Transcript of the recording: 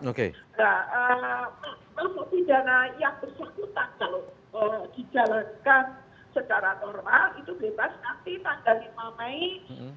nah maksudnya dana yang bersyakutan kalau dijalankan secara normal itu bebas nanti tanggal lima mei tahun dua ribu dua puluh dua